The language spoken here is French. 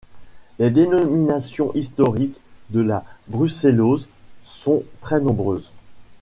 Les dénominations historiques de la brucellose sont très nombreuses.